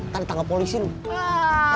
ntar ditanggal polisi loh